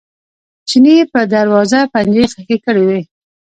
چیني په دروازه پنجې ښخې کړې وې.